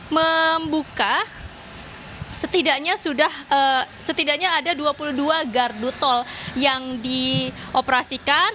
membuka setidaknya ada dua puluh dua gardu tol yang dioperasikan